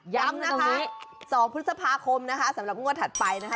ย้ำนะคะ๒พฤษภาคมนะคะสำหรับงวดถัดไปนะคะ